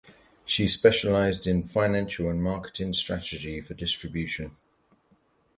She specialised in financial and marketing strategy for distribution.